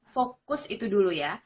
fokus itu dulu ya